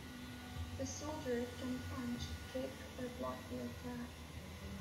The soldiers can punch, kick, or block the attack.